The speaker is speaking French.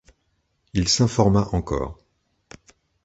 Il s’informa encore.